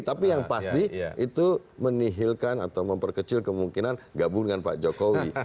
tapi yang pasti itu menihilkan atau memperkecil kemungkinan gabung dengan pak jokowi